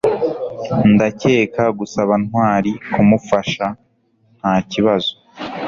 ndakeka gusaba ntwali kumufasha ntakibazo